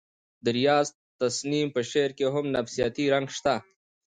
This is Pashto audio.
د ریاض تسنیم په شعر کې هم نفسیاتي رنګ شته